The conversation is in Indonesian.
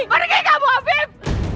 pergi kamu afif